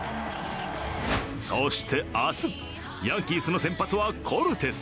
そして明日、ヤンキースの先発はコルテス。